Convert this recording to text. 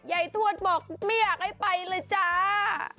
ทวดบอกไม่อยากให้ไปเลยจ้า